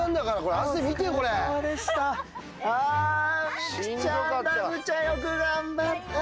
三九ちゃん、ラブちゃん、よく頑張った。